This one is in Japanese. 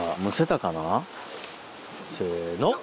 せの。